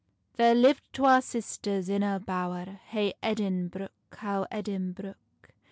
THERE liv'd twa sisters in a bower, Hey Edinbruch, how Edinbruch.